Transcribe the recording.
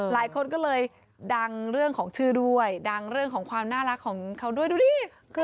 หลายคนก็เลยดังเรื่องของชื่อด้วยดังเรื่องของความน่ารักของเขาด้วยดูดิ